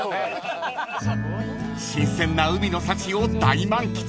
［新鮮な海の幸を大満喫しました］